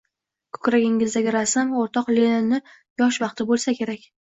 — Ko‘kragingizdagi rasm, o‘rtoq Leninni yosh vaqti bo‘lsa kerak?